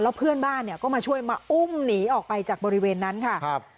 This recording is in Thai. เพื่อนบ้านเนี่ยก็มาช่วยมาอุ้มหนีออกไปจากบริเวณนั้นค่ะครับ